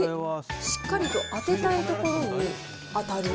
しっかりと当てたいところに当たる。